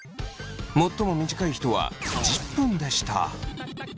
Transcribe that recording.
最も短い人は１０分でした。